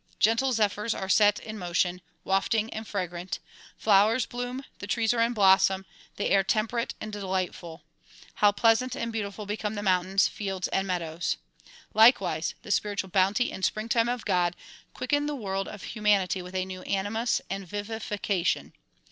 Gentle zephyrs are set in motion, wafting and fragrant ; flowers bloom, the trees are in blossom, the air temperate and delightful ; how pleasant and beautiful become the mountains, fields and meadows. Likewise the spiritual bounty and springtime of God quicken the world of humanity with a new animus and vivification.